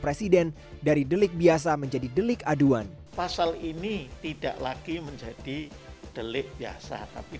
presiden dari delik biasa menjadi delik aduan pasal ini tidak lagi menjadi delik biasa tapi